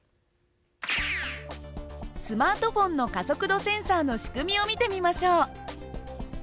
スマートフォンの加速度センサーの仕組みを見てみましょう。